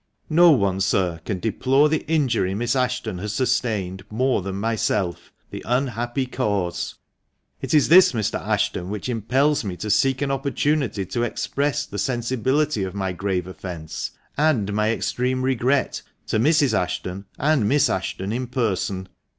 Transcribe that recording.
No one, sir, can deplore the injury Miss Ashton has sustained, more than myself — the unhappy cause. It is this, Mr. Ashton, which impels me to seek an opportunity to express the sensibilty of my grave offence, and my extreme regret, to Mrs. Ashtcn and Miss Ashton in person.